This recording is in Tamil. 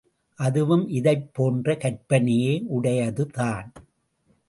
அதுவும் இதைப் போன்ற கற்பனையை உடையதுதான்.